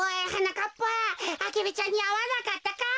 かっぱアゲルちゃんにあわなかったか？